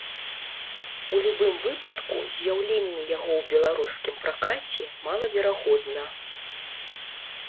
У любым выпадку, з'яўленне яго ў беларускім пракаце малаверагодна.